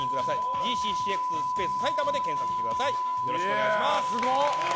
ＧＣＣＸ埼玉で検索してください。